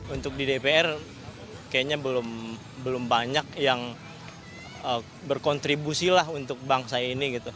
untuk di dpr kayaknya belum banyak yang berkontribusi lah untuk bangsa ini